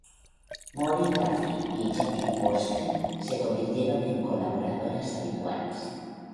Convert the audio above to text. Maureen Duffy y Jackie Forster se convirtieron en colaboradoras habituales.